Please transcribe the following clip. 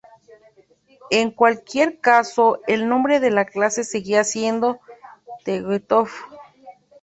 En cualquier caso, el nombre de la clase seguía siendo "Tegetthoff".